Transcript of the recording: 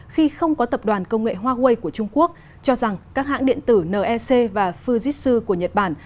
khi không có tập đoàn công nghệ huawei của trung quốc cho rằng các hãng điện tử nec và fujitsu của nhật bản